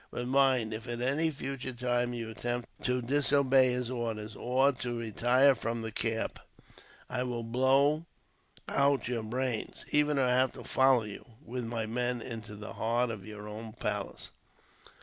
But mind, if at any future time you attempt to disobey his orders, or to retire from the camp, I will blow out your brains; even if I have to follow you, with my men, into the heart of your own palace."